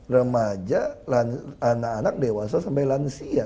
remaja anak anak dewasa sampai lansia